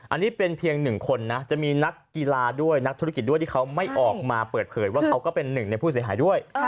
อันนี้เป็นเพียงหนึ่งคนนะจะมีนักกีฬาด้วยนักธุรกิจด้วยที่เขาไม่ออกมาเปิดเผยว่าเขาก็เป็นหนึ่งในผู้เสียหายด้วย